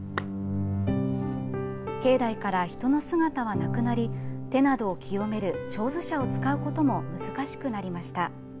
境内から人の姿はなくなり、手などを清めるちょうず舎を使うことも難しくなりました。